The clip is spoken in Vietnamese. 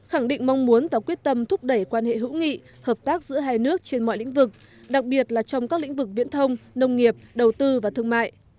khẳng định mong muốn và quyết tâm thúc đẩy quan hệ hữu nghị hợp tác giữa hai nước trên mọi lĩnh vực đặc biệt là trong các lĩnh vực viễn thông nông nghiệp đầu tư và thương mại